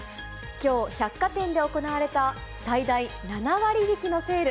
きょう、百貨店で行われた最大７割引きのセール。